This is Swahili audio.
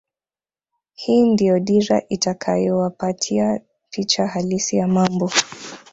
Hii ndio dira itakayowapatia picha halisi ya mambo